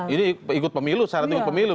ini ikut pemilu